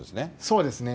そうですね。